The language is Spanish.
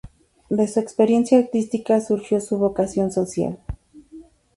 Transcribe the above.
De su experiencia artística surgió su vocación social.